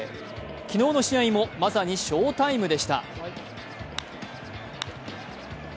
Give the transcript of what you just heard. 昨日の試合もまさに翔タイムでした。